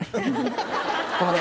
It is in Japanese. このね